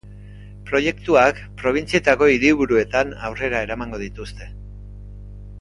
Proiektuak probintzietako hiriburuetan aurrera eramango dituzte.